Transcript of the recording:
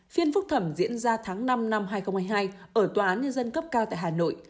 phiên phúc thẩm diễn ra tháng năm năm hai nghìn hai mươi hai ở tòa án nhân dân cấp cao tại hà nội